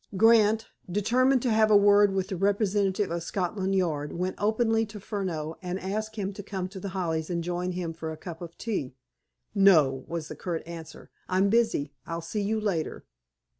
Grant, determined to have a word with the representative of Scotland Yard, went openly to Furneaux, and asked him to come to The Hollies and join him in a cup of tea. "No," was the curt answer. "I'm busy. I'll see you later."